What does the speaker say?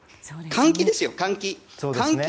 換気ですよ、換気。